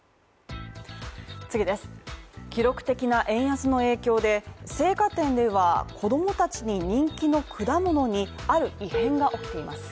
記録的な円安の影響で青果店では、子供たちに人気の果物にある異変が起きています。